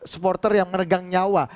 supporter yang meregang nyawa